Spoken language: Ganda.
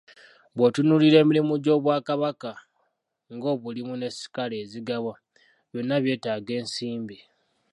Bw'otunuulira emirimu gy'Obwakabaka nga; obulimi ne ssikaala ezigabwa, byonna byetaaga ensimbi.